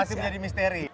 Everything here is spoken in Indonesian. masih jadi misteri